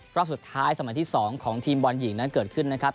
รอบสุดท้ายสมัยที่๒ของทีมบอลหญิงนั้นเกิดขึ้นนะครับ